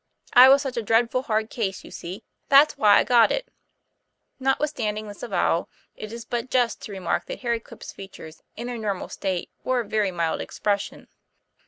I was such a dreadful hard case, you see; that's why I got it." Notwithstanding this avowal it is but just to remark that Harry Quip's features, in their normal state, wore a very mild expression.